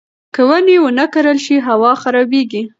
که ونې ونه کرل شي، هوا خرابېږي.